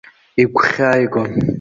Игәхьааигон.